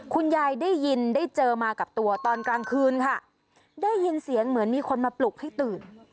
คุณยายได้ยินได้เจอมากับตัวตอนกลางคืนค่ะได้ยินเสียงเหมือนมีคนมาปลุกให้ตื่น